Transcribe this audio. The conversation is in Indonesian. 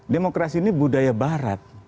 demokrasi ini budaya barat